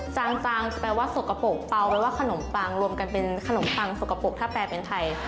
จางจะแปลว่าสกปรกเปาแปลว่าขนมปังรวมกันเป็นขนมปังสกปรกถ้าแปลเป็นไทย